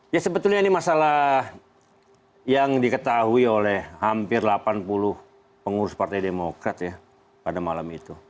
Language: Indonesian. ya sebetulnya ini masalah yang diketahui oleh hampir delapan puluh pengurus partai demokrat ya pada malam itu